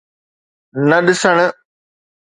نه ڏسڻ.